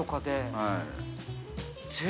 はい。